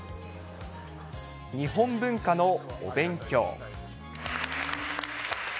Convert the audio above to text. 日本文化のお勉強。